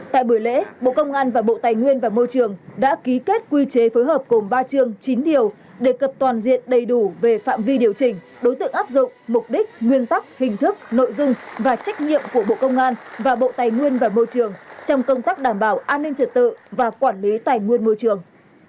tại buổi lễ bộ công an và bộ tài nguyên và môi trường đã ký kết quy chế phối hợp cùng ba chương chín điều đề cập toàn diện đầy đủ về phạm vi điều chỉnh đối tượng áp dụng mục đích nguyên tắc hình thức nội dung và trách nhiệm của bộ công an và bộ tài nguyên và môi trường trong công tác đảm bảo an ninh trật tự và quản lý tài nguyên môi trường